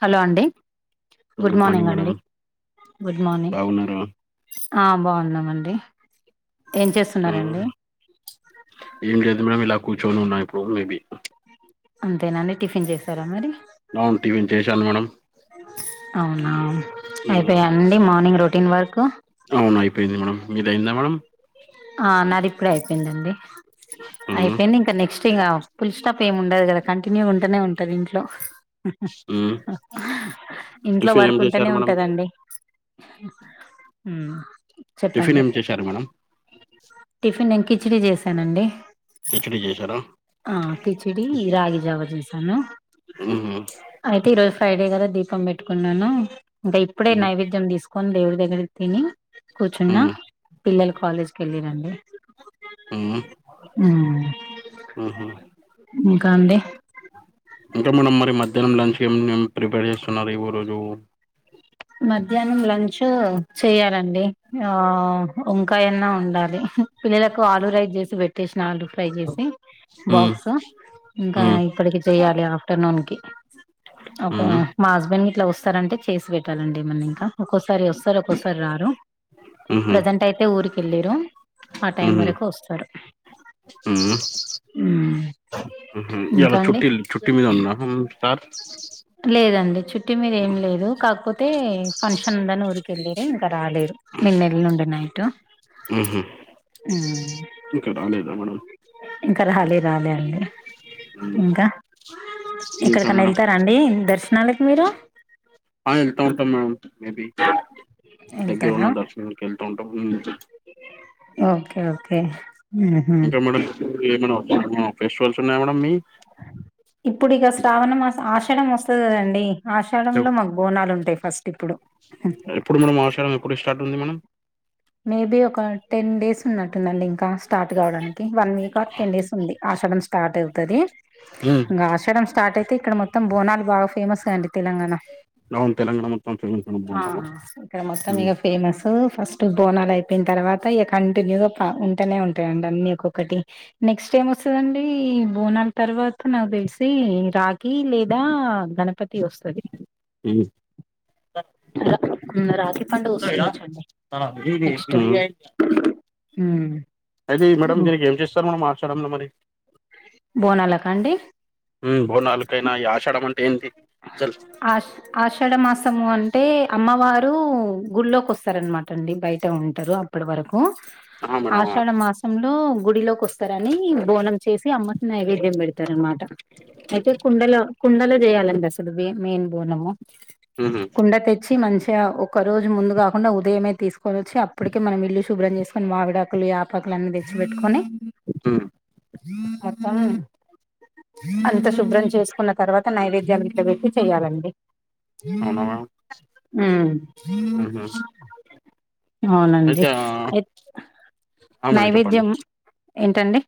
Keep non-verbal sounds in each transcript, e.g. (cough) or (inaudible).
Hello అండి good morning అండి good morning బాగున్నారా ఆ బాగున్నాం అండి ఏం చేస్తున్నరు ఉమ్, అండి ఏం లేదు మేడం ఇలా కూర్చొని ఉన్నాం ఇప్పుడు మేబీ అంతేనా అండి టిఫిన్ చేసారా మరి అవున్ టీపిన్ చేశాను మేడం అవునా ఉమ్, అయిపోయాయ అండి మార్నింగ్ రొటీన్ వర్క్ అవును అయిపోయింది మేడం మీది అయిందా మేడం ఆ నాది ఇప్పుడే అయిపోయిందిండి ఉమ్, అయిపోయింది ఇంకా నెక్స్ట్ ముఖ్యంగా పుల్ స్టాప్ ఏమి ఉండదు కదా కంటిన్యూ ఉంటేనే ఉంటది ఇంట్లో ఉమ్. ఇంట్లో టిఫిన్ ఏం వర్క్ ఉంటనే చేశారు మేడం మీరు ఉంటదండి ఉ టిఫిన్ ఏం చేశారు మేడం టిఫిన్ నేను కిచిడీ చేశానండి కిచిడీ చేశారా ఆ కిచిడి రాగి జావ చేసాను ఉ ఉప్స్ అయితే ఈ రోజు ఫ్రైడే కదా దీపం పెట్టుకున్నాను ఇంకా ఇప్పుడే ఉమ్, నైవేద్యం తీసుకు కొని దేవుడి దగ్గర తిని కూర్చున్న ఉమ్, పిల్లలు కాలేజ్కి వెళ్ళిరండి ఉమ్, ఉ ఉమ్. ఇంక అండి ఇంకా మేడం మరి మధ్యాహ్నం లంచ్కి ఏమన్న ప్రిపేర్ చేసుకున్నారా ఈవ రోజు మధ్యాహ్నం లంచ్ చెయాలండి ఆ వంకాయన్న వండాలి పిల్లలకు ఆలు రైస్ చేసి పెట్టేసిన అండి ఫ్రై చేసి ఉమ్, బాక్స్ ఇంకా ఉమ్, ఇప్పటికి చేయాలి ఆఫ్టర్నూన్ కి ఓకే ఉమ్, మా హస్బెండ్ ఇట్లా వస్తారంటే చేసి పెట్ పేట్టాలండి ఏమన్న ఇంకా ఒక్కోసారి వస్తారు ఒక్కోసారి రారు ఉమ్, ప్రజెంట్ అయితే ఊరికి వెళ్లిర్రు ఆ టైం వరకు వస్తారు ఉ హ్మ్. ఉహు ఇంకా ఇయలా అండి చుట్టిల్ చుట్టి మీద ఉన్నా సార్ లేదండి చుట్టి మీద ఏం లేదు కాకపోతే ఫంక్షన్ ఉందని ఊరికి వెళ్ళిర్రు ఇంకా రాలేదు నిన్న వెళ్లిండే నైట్ ఉ ఉమ్, ఇంకా రాలేదా మేడం ఇంకా రాలే రాలే అండి ఉమ్, ఇంకా ఇంకా ఏక్కడికన్నా మేడం వెళ్తారా అండి దర్శనానీకి మీరు ఆ వెళ్తా ఉంటాం మేమ్ మేబి దగ్గర వెళ్తారా ఉన్న దర్శనానికి వెళ్తా ఉంటాం ఉ ఓకే ఓకే ఇంకా మేడ ఏమైన్న ఫెస్టివల్స్ ఉన్నాయా మేడం మీ ఇప్పుడు ఇగ శ్రావణ మాసం ఆషాడం వస్తది కదండి ఆషాడం లో మాకు బోనాలు ఉంటాయి ఫస్ట్ ఇప్పుడు ఎప్పుడు మేడం ఆషాఢం స్టార్ట్ ఉంది మేడం మేబీ ఒక టెన్ డేస్ ఉన్నట్టుందండి ఇంకా స్టార్ట్ కావడానికి one week or ten days ఉంది ఆశడం స్టార్ట్ అవుతది ఉమ్. ఇంకా ఆశడం స్టార్ట్ అయితే ఇక్కడ మొత్తం మత్తం బోనాలు బాగా ఫేమస్ అండీ తెలంగాణ అవును తెలంగాణ మొత్తం ఫేమస్ అనుకున్నాను ఇక్కడ మొత్తం ఉమ్. ఆ ఫేమస్ ఫస్ట్ బోనాలు అయిపోయిన తర్వాత ఇ కంటిన్యూగా ఉంటేనే ఉంటాయండి అన్నీ ఒక్కొక్కటి నెక్స్ట్ ఎం వస్తదండి బోనాల తర్వాత నాకు తెలిసి రాఖీ లేదా గణపతి పతి వస్తుంది ఏమి రా రాఖి పండుగ వస్తుండవచండి నెక్స్ట్ ఉ అయితే మేడం దీనికి ఏం చేస్తారు మేడం ఆషాడంలో మరి బోనాల కా అండి బోనాాలకైనా ఈ ఆషాడ అంటే ఏంటి చసి ఆష్ ఆషాఢ మాసము అంటే అమ్మవారు గుళ్లోకి వస్తారనమాట అండి బయట ఉంటారు ఆప్పటి వరకు ఆ మేడం ఆ. ఆషాఢ మాసం సంలొ గుడిలోకి వస్తారని బోనం చేసి అమ్మకిని నైవేద్యం పెడతారు అనమాట అయితే కుండలో కుండలో చేయాలండీ అదీ అసలు మెయిన్ మెయిన్ బోనము ఉహు, కుండ తెచ్చి మంచిగా ఒకరోజు ముందు కాకుండా ఉదయమే తీసుకొనిచ్చి అటికే మనం ఇల్లు శుభ్రం చేసుకుని మావిడాకులు యాపాకులు అన్ని తెచ్చి పెట్టుకొని ఆ మత్తం అంత శుభ్రం చేసుకున్న తర్వాత నైవేద్యం ఇట్ట పెట్టి చేయ్యాలండి అవునవా ఉమ్ ఉహు అవునండి అయితే ఆ అయితే ఆ మేడం చెప్పండి నైవేద్యం ఏంటండి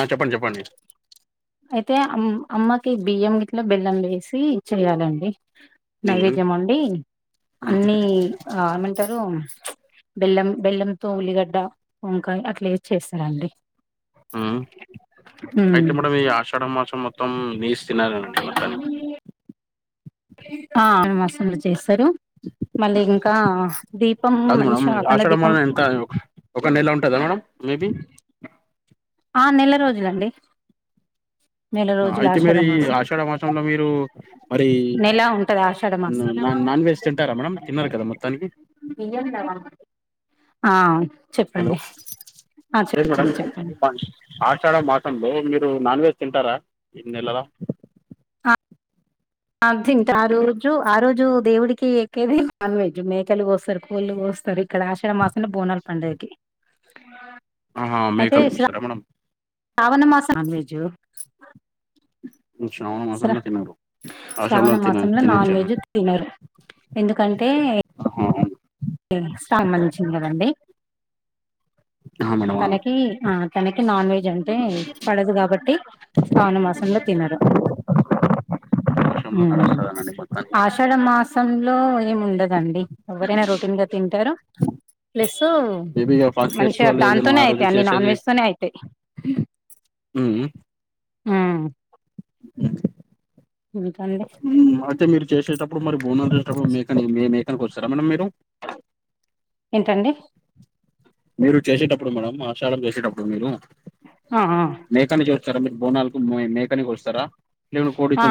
ఆ చెప్పండి చెప్పండి అయితే అమ్ అమ్మకి బియ్యం గిట్లో బెల్లం వేసి చెయాలండి ఉమ్, ఉమ్, నైవేద్యం అండి అన్ని ఆ ఏమంటారు బెల్లం బెల్లంతో ఉల్లిగడ్డ వంకాయ అట్లా ఏసీ చేస్తారండి ఉమ్ అయితే మేడంమ్ ఈ ఆషాఢ మాసం మొత్తం నీస్ తిన్నారనండి మొత్తానికి ఆ అ మాసంలో చేస్తారు మళ్ళీ ఇంకా దీపం కాదు మంచి మేడం ఆఖండ ఆషాఢ దీపం మాసం ఎంత ఒక ఒక నెల ఉంటుందా మేడం మేబీ ఆ నెల రోజులండి నెల రోజులు అయితే మీరు ఆషాఢ ఈ మాసం ఆషాఢ మాసంలో మీరు మరి నెల ఉంటది ఆషాఢ మాసం నాన్ నాన్ వెజ్ తింటారా మేడమ్ తిన్నారు కదా మొత్తానికి ఇయందవా ఆ హలో చెప్పండి ఆ లేదు మేడం చెప్పండి చెప్పండి ఆషాఢ మాసంలో మీరు నాన్ వెజ్ తింటారా ఇ నెలలా ఆ ఆ తింటా ఆ రోజు ఆ రోజు దేవుడికి ఎక్కేది నాన్ వెజ్ మేకలు కోస్తారు కోళ్లు కోస్తారు ఇక్కడ ఆషాడ మాసంలో బోనాల్ పండగకి ఆహా మేకని కోస్తారా మేడం శ్రావణ మాసం నాన్ వెజ్ శ్రావణ శ్ర మాసంలో తినరు ఆషాఢంలో శ్రావణ తిన మాసంల నాన్ వెజ్ తినొచ్చేనండి తినరు ఎందుకంటే ఆహా అవును. ఉ స్ట్రాంగ్ మంచిగ ఉన్నదండి ఆహా మేడం ఆ తనకి ఆ తనకి నాన్ వెజ్ అంటే పడదు కాబట్టి శ్రావణ మాసంలో తినరు ఆషాఢంలో నడుస్తదనండి మొత్తానికి ఆషాఢ మాసంలో ఏముండదు దండి ఎవరైనా రొటీన్ గా తింటారు ప్లస్ మేబీ ఇక ఫస్ట్ మంచిగా ఫెస్టివల్ దాం ఏదైనా తోనే ఆ రోజు అవుతాయి అన్ని నాన్ చేసేది వెజ్తోనే అవుతాయి ఊ ఊ ఆ ఇంకా అండి ఊ అంటే మీరు చేసేటప్పుడు మరి బోనం చేసెటప్పుడు మేకని మే మేకని కోస్తరా మేడం మరి మీరు ఏంటండి మీరు చేసేటప్పుడు మేడం ఆషాడం చేసేటప్పుడు మీరు ఆ మేకాని చేస్తరా మీరు బోనాలకు మేకనీ కోస్తరా ఆ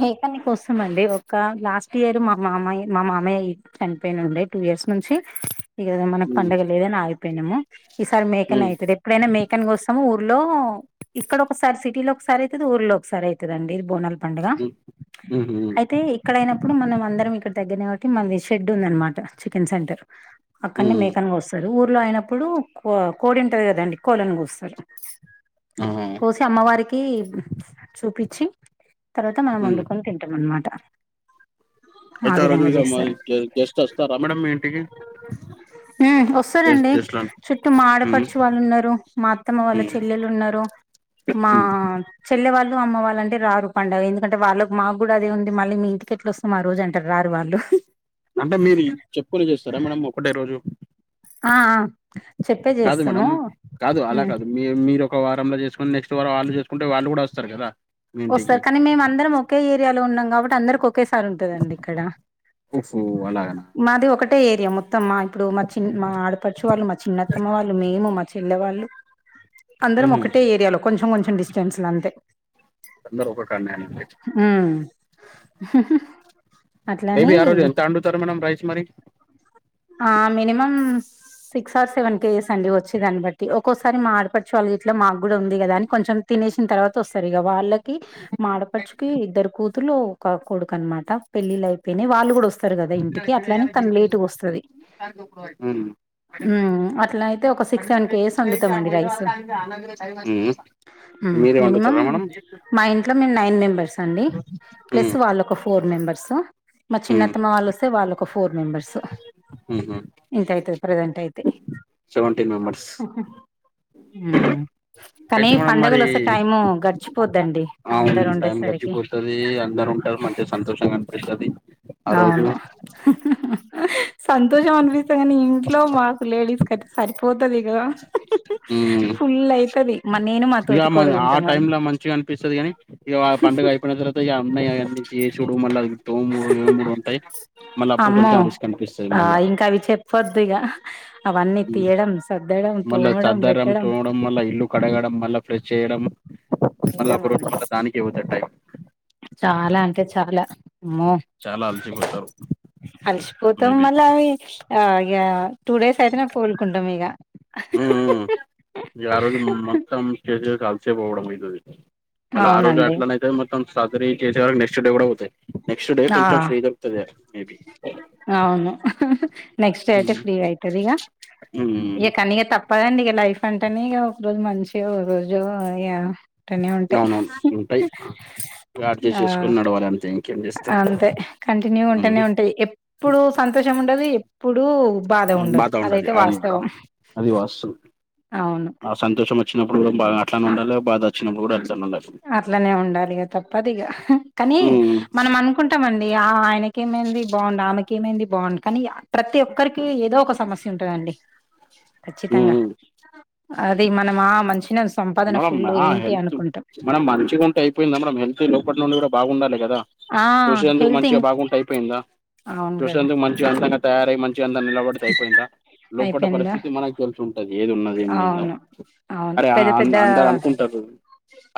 మేకని కోసమండి ఒక లాస్ట్ ఇయర్ మా మామయ్య మా మామయ్య ఇట్ చనిపోయినుండి టూ ఇయర్స్ నుంచి ఇగ అది మనకి పండుగ లేదని ఆగిపోయినాము ఈసారి మేకనయితే దెప్ ఇప్పుడైనా మేకన్ కోస్తాము ఊర్లో ఇక్కడ ఒకసారి సిటీలో ఒకసారి అయితుది ఊర్లో ఒకసారి అయి దండి ఇది బోనల్ పండుగ మ్మ్ అయితే ఇక్కడైనప్పుడు మనం అందరం ఇక్కడ దగ్గరనే కాబట్టి మనది షెడ్ ఉంద అనమాట చికెన్ సెంటర్ అక్కడనే మ్మ్ మేకను కోస్తరు ఊర్లో అయినప్పుడు కో కోడింటది కదండి కోళ్ళలను కోస్తరు ఆ కోసి అమ్మవారికి చూపిచ్చి తర్వాత మనం మ్మ్ వండుకొని తింటాం అన్నమాట అయితే ఆ రోజు ఇగ మరి గెస్ట్ వస్తారా మేడమ్ మీ ఇంటికి ఊ గెస్ట్ వస్తారండి గెస్ట్ లం చుట్టూ మా మ్మ్ ఆడపడుచు వాళ్ళు ఉన్నారు మా అత్తమ్మ వాళ్ళ మ్మ్ చెల్లెలు ఉన్నారు మా మ్మ్ చెల్లె వాళ్ళు అమ్మ వాళ్ళు అంటే రారు పండగ ఎందుకంటే వాళ్ళకి మాకు కూడా అదే ఉంది మళ్ళీ మీ ఇంటికి ఎట్ల వస్తాం ఆ రోజు అంటరు రారు వాళ్ళు అంటే మీరు చెప్పుకుని చేస్తారా మేడం ఒకటే రోజు ఆ ఆ చెప్పే కాదు చేస్తాము మేడం కాదు అలా ఊ కాదు మీ మీరు ఒక వారంలో చేసుకుని నెక్స్ట్ వారం వాళ్ళు చేసుకుంటే వాళ్ళు కూడా వస్తారు కదా మీ వస్తారు ఇంటికి కానీ మేము అందరం ఒకే ఏరియాలో ఉన్నాం కాబట్టి అందరికొక్ ఒకేసారి ఉంటదండి ఇక్కడ ఓహో అలాగనా మాది ఒకటే ఏరియా మొ త్తమ్మా ఇప్పుడు మా చి మా ఆడపడుచు వాళ్ళు మా చిన్నత్తమ్మ వాళ్ళు మేము మా చెల్లె వాళ్ళు అందరం ఉహు ఒకటే ఏరియాలో కొంచెం కొంచెం డిస్టెన్స్ల అంతే అందరూ ఒక కాలినా అండీ ఉ బేబీ ఆ రోజు ఎంత అండుతారు మేడం రైస్ మరి ఆ minimum six or seven case అండి వచ్చే దాని బట్టి ఒక్కొసారి మా ఆడపడుచు వాళ్ గిట్ల మాకు కూడా ఉంది కదా అని కొంచెం తినేసిన తర్వాత వస్తారు ఇక వాళ్ళకి మా ఆడపడుచుకి ఇద్దరు కూతులు ఒక కొడుకు అనమాట పెళ్ళిళ అయిపోయినా వాళ్ళు కూడా వస్ స్తారు కదా ఇంటికి అట్లని తను లేటుగస్తది (unintelligible) ఉ అట్లా అయితే ఒక సిక్స్ సెవెన్ కేజెస్ వండుతామండి రైస్ ఉమ్. మీరే మినిమం వండుతారా మేడం మా ఇంట్లో మేము నైన్ మెంబెర్స్ అండి ప్లస్ ఉమ్, వా వాళ్ళ ఒక ఫోర్ మెంబర్స్ మా చిన్న ఉమ్, తమ వాళ్ళు వస్తే వాళ్ళ ఒక ఫోర్ మెంబర్స్ ఉహు సెవెంటీన్ మెంబర్స్ ఉహు కానీ అయితే మేడం పండగలు మరి వస్తే టైము గడిచిపోద్దండి అందరు ఉండేసరికి వస్తుది అందరు ఉంటారు మంచిగా సంతోషంగా అనిపిస్తది ఆ రోజు అవును సంతోషం అనిపిస్త కాని ఇంట్లో మా లేడస్యితే సరిపోతది ఇగ ఉమ్. ఫుల్ అయితుంది నే ఇక మ ఆ టైమ్ లో మంచిగా అనిపిస్తుది కాని ఇక పండగ అయిపోయిన తర అన్నయయిడి నుంచి ఏ చూడు మళ్ళీ అది తో మూడు ఏ మూడు ఉంటాయ్ మళ్ళీ అప్పుడు కొెంచం రిస్కే అనిపిస్తది మళ్ళీ కొద్దిగ మళ్ళా పెట్టడం (unintelligible) మళ్ళ ఇల్లు కడగడం మళ్ళా ఫ్రెష్ చేయడం మళ్ళీ ఒక రోజు నిజమండి (unintelligible) దానికి (unintelligible) టైం చాలా అంటే చాల అమ్మో చాలా అలసిపోతారు అలిసిపోతాం మేబీ మల్ల (unintelligible) ఆ ఇగ టూ డేస్ అయితేనే కోలుకుంటాం ఇక ఆ రోజు మొత్తం స్టేజ్ కలిసే పోవడం (unintelligible) మళ్ళ ఆ రోజు అవునండి అట్లనైతే మొత్తం సాజరీ చేసే వరకు నెక్స్ట్ డే కూడా పోతాయి నెక్స్ట్ డే ఆ కొంచెం ఫ్రీగ అవును నెక్స్ట్ డే అయితే ఫ్రీ అవుతుది ఇక ఇక కనీగా తప పదండి ఇక లైఫ్ అంటేనే ఇక ఒక రోజు మంచిగా ఒక రోజు అనే ఉంటాయి అవునవును ఉంటాయి గాడ్ ఆ చేసేసుకుని నడవాలి అంతే ఇంకేం చేస్తారు అంతే కంటిన్యూ ఉంటేనే ఉంటాయి ఎప్పుడు సంతోషం ఉండదు ఎప్పుడు బాధ ఉండదు అదయితే వాస్తవం అది వాస్తవం అవును ఆ సంతోషం వచ్చినప్పుడు (unintelligible) బాగా అట్లానే ఉండాల బాధ (unintelligible) అట్లనే ఉండాలిగా తప్పదు ఇక కానీ మనం అనుకుంటామండి ఆ ఆయన ఏమైంది బాగుండు ఆమెకి ఏమైంది బాగుండు కానీ ప్రతి ఒక్కరికి ఏదో ఒక సమస్య ఉంటదండి ఖచ్చితంగా అది మనమా మంచినే సంపాదన మనం ఫుల్లు ఆ ఏంటి హెల్త్ అనుకుం (unintelligible) మనం మంచిగాంట అయిపోయింది మనం హెత్ లోపటి నుండి కూడా బాగుండాలి కదా ఆ చూసేందుకు హెల్త్ ఇం మంచిగా బాగుంటే అయిపోయిందా అవును కదా చూసేందుకు మం మంచి అంతంగా తయారై మంచి అంత నిలబడితే అయిపోయిందా లోప అయిపోయిందా పరిస్థితి మనకి తెలుసి ఉంటది ఏది ఉన్న అవును అవును అరే పెద్ద అ పెద్ద అందరు అనుకుంటారు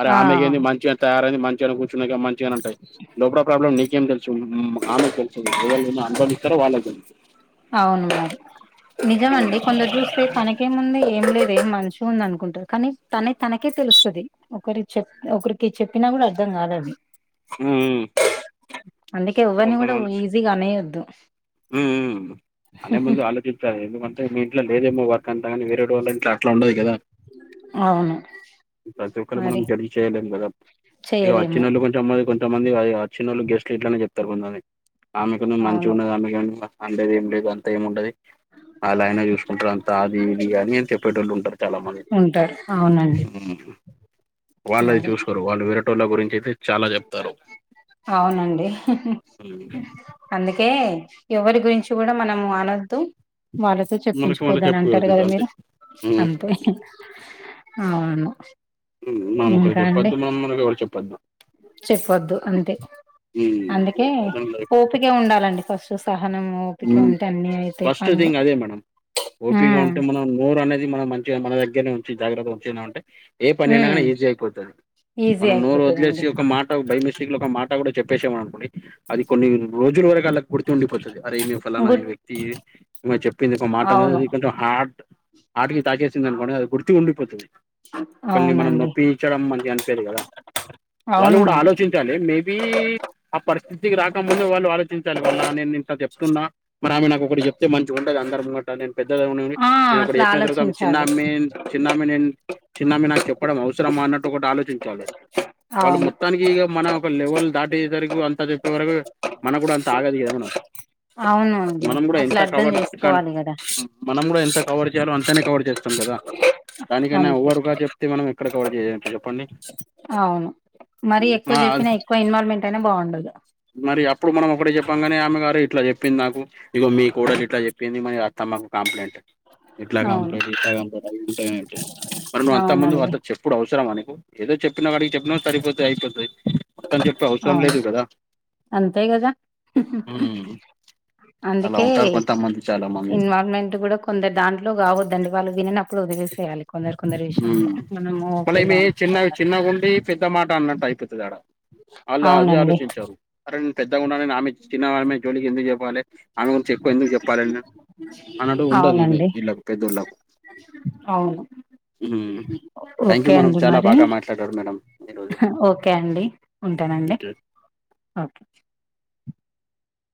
అరే ఆ ఆమెకి ఏంది మంచిగా తయారైంది మంచిగా మంచిగనే ఉంటయి లోపల ప్రాబ్లం నీకేం తె ఆమెల్సది ఎవళ అనుభంస్తారో వాళ్ళ కలుది నిజం అండి (unintelligible) సే తనకేంముంది ఏం లేదు ఏం మనిషి ఉంది అనుకుంటారు కానీ తనే తనకే తెలుస్తుంది ఒకరికి చెప్ ఒకరికి చెప్పినా కూడ అర్థం కాదు అది ఉ అందుకే (unintelligible) కూడా ఈజీగా అనేయొద్దు అనే ముందు ఆలోచించాలి ఎందుకంటే మీ ఇంట్లో లేదేమో వర్క్ అంతాగానీ వేరే ఇంట్ల అట్లా ఉండదు కదా అవును ప్రతి ఒక్కరు మనం మరి జడ్జి చేయలేం కదా ఇక చేయలేము వచ్చినోళ్ళు కొంచెం మది కొం త మంది అదీ వచ్చినోళ్లు గెస్ట్లు ఇట్లనే చెప్తరు కొంత మంది ఆమె కొంచం మంచి అవును గున్నది ఆమె అండేది ఏం లేదు అంతా ఏం ఉండది అళ్ళాయన చూసుకుంటారు అంత అది ఇది అని చెప్పేటొళ్ళు ఉంటరు చాలా మంది ఉంటారు అవునండి వాళ్ళది మరి చూసుకోరు వాళ్ళు రవేటోళ్ళ గురించి అయితే చాలా చెప్తారు అవునండి ఉమ్. అందుకే ఎవరి గురించి కూడా మనం అనద్దు వాళ్ళతో మనకు వాళ్ళు చెప్పించుకొద్దు అని అంటారు చెప్పుకోదు కదా అంతే మీరు ఉమ్. అంతే అవును మామొక్కరుకి ఇంకా అండి చెప్పొద్దు మా అమ్మనికి ఎవరు చెప్పొద్దు చెప్పొద్దు అంతే అందుకే ఓపికే ఉండాలండి ఫస్ట్ సహనము ఫస్ట్ థింగ్ అదే మేడం ఓపీగా ఉమ్ ఉంటే మనం నోరు అనేది మనం మం మన దగ్గరనేంచి జాగ్రత్త ఉంచినే ఉంటే ఏ పని అయినా ఐనా ఉమ్ ఈజీ అయిపోతది ఈజీ మనం నోరు వదిలేసి అయిపోతదండి ఒక మాట బై మిస్ టేక్ ల ఒక మాట కూడా చెప్పేశం అనుకొండి అది కొన్ని రోజుల వరకు అలా గుర్తుండిపోంది అరే మేము ఫలానా ఈ గుడ్ వ్యక్తి చెప్పింది ఒక మాట అవును అదింట కొంచెం ఆట్ ఆట్కి తాకేస్తుంది అనుకోని అది గుర్తు ఉండిపోతుది ఒకరిని మనం అవునండి నొప్పించడం మంచి అనిపేది కదా వాళ్ళు అవును కూడా మరి ఆలోచించ లి మేబి ఆ పరిస్థితికి రాకముందు వాళ్ళు ఆలోచించాలి మళ్ళ నేనింత చెప్ప మరి ఆమె నాకు ఒకటి చెప్తే మంచి ఉంటది అందరు ముంగట్ నే పెద్ద నేను ఆ ఒకటి అట్లా చెప్పిన తరువాత చిన్న ఆలోచించాలి అమ్మాయి చిన్నమ నేను చిన్నమే నాకు చెప్పడం అవసరమా అన్నట్టు ఒకటి ఆలోచించాలి వాళ్ళు అవును మొత్తానికి ఇక మన ఒక లెవెల్ దాటేసరకు అంతా చెప్పే వరకు మనకు కూడా అంత ఆగదు కద మేడమ్ అవునండి అట్లా అర్ధం కవర్ కన్- చేసుకోవాలి కదా మనం కూడా ఎంత కవర్ చేయాలో అంతనే కవర్ చేస్తాం కదా దానికైనా అంతే ఓవర్ గా చె తే మనం ఎక్కడ కవర్ చేయంటు చెప్పండి అవును మరీ ఎక్కువ మా చెప్పిన ఎక్కువ ఇన్వాల్వ్మెంట్ అయిన బాగుండదు మరి అప్పుడు మనం ఒకటి చెప్పంగనే ఆమె గారు ఇట్లా చెప్ ప్పింది నాకు ఇగో మీ కూడలు ఇట్లా చెప్పింది మ అత్తమ్ మాకు కంప్లైంట్ ఇట్లా అవును కంప్లేట్ ఇట్లా కంలేట్ అవి ఉంటాయ అయి మరి నువ్వు అంత ముందు అవునండి అంత చెప్ ఇప్పుడు అవసరమనీకు ఏదో చెప్పినా వాడికి చెప్పినా సరిపోతుంది అయిపోతుంది మొత్తం చెప్పే అవసరం అవును లేదు కదా అంతే కదా అవునవును అందుకే చాలా మంది ఇన్వాల్వ్మెంట్ కూడా కొందరు దాంట్లో కావద్దండి వాళ్ళు విననప్పుడు ఒదిలేసేయాలి కొందరు కొందరు విషయంలో ఉమ్ మనము మళ్ళ ఓకేలే ఏమి చిన్న అనుకుంటాం కదా చిన్నగుండి పెద్ పెద్ద మాట అన్నట్టు అయితది ఆడ వాళ్ళు అది అవునండి ఆలోచించారు అరే నే పెద్దగా ఉండాలే ఆమె చిన్నమె జోలికి ఎందుకు చెప్పాలి ఆమె గురించి ఎక్కువ ఎందుకు చెప్పాలేను అన్నట్టు ఉండదు ఈమె అవునండి ఈళ్ళకు పెద్దోళ్ళలకు అవును ఉమ్ థ్యాంక్యూ ఓకే మేడం అండి చాలా మరి బాగా మాట్లాడారు మేడం ఈరోజు ఓకే అండి ఉంటానండి ఇంకా ఓకే